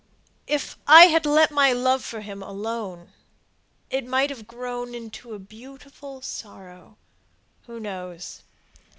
If I had let my love for him alone It might have grown into a beautiful sorrow— Who knows?